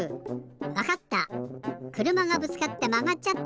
わかった！